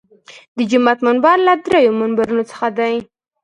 د جومات منبر له هغو درېیو منبرونو څخه دی.